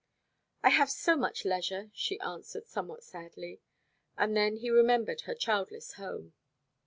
"I have so much leisure," she answered somewhat sadly; and then he remembered her childless home.